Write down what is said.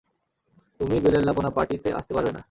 তুমি বেলেল্লাপনা পার্টিতে আসতে পারবে না!